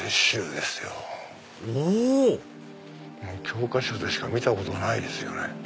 教科書でしか見たことないですよね。